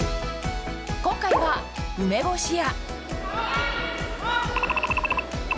今回は、梅干しや。